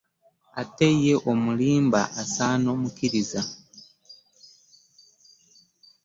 Ate yye omulimba asana mukkiriza .